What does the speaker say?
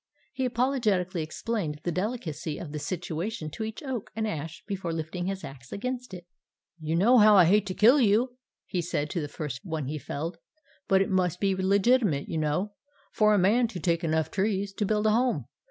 He apologetically explained the delicacy of the situation to each oak and ash before lifting his axe against it. 'You know how I hate to kill you!' he said to the first one he felled. 'But it must be legitimate, you know, for a man to take enough trees to build a home.